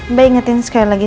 mbak ingetin sekali lagi